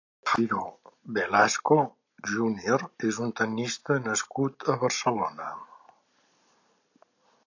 Jairo Velasco, júnior és un tennista nascut a Barcelona.